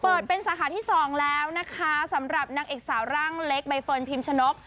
เปิดเป็นสาขาที่สองแล้วนะคะสำหรับนางเอกสาวร่างเล็กใบเฟิร์นพิมชนก